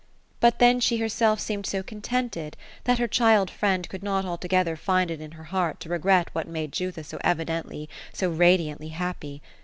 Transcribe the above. But then she herself seemed so contented, that her child friend ?ould not altogether find in her heart to regret what luade Jutha so evi dently, so radiantly happy.